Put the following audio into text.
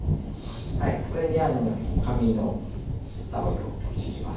これに紙のタオルを敷きます。